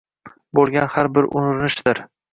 bo‘lgan har bir urinishdir: